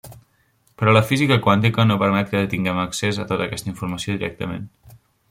Però la física quàntica no permet que tinguem accés a tota aquesta informació directament.